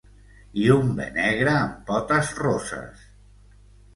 I un be negre amb potes rosses!